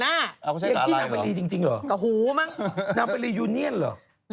นั่งไปลียูเนียนเหรอ